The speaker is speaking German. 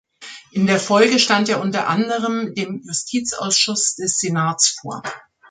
In der Folge stand er unter anderem dem Justizausschuss des Senats vor.